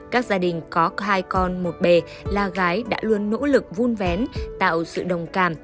các gia đình có hai con một bề là gái đã luôn nỗ lực vun vén tạo sự đồng cảm